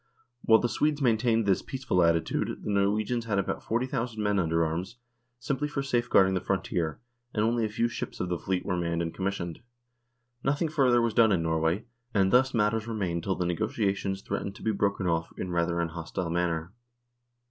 While the Swedes maintained this "peaceful" attitude the Norwegians had about 40,000 men under arms, simply for safeguarding the frontier, and only a few ships of the fleet were manned and commissioned. Nothing further was done in Norway, and thus matters remained till the negotiations threatened to be broken off in rather an hostile manner.